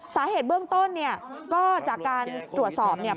สาเหตุเบื้องต้นก็จากการตรวจสอบ